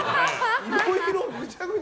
いろいろ、ぐちゃぐちゃ。